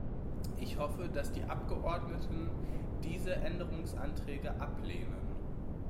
Ich hoffe, dass die Abgeordneten diese Änderungsanträge ablehnen.